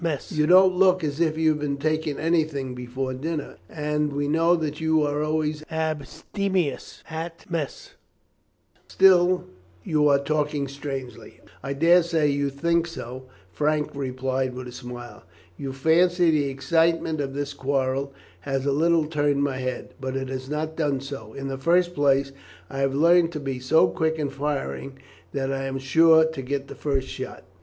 "You don't look as if you had been taking anything before dinner, and we know that you are always abstemious at mess; still you are talking strangely." "I daresay you think so," Frank replied with a smile. "You fancy the excitement of this quarrel has a little turned my head. But it has not done so. In the first place, I have learnt to be so quick in firing that I am sure to get first shot."